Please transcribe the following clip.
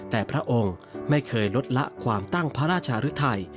แต่พระองค์ไม่เคยลดละความตั้งพระราชหรือไทย